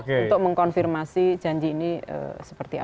untuk mengkonfirmasi janji ini seperti apa